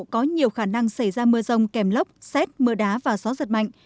có nhiều khả năng xảy ra mưa rông kèm lốc xét mưa đá và gió giật mạnh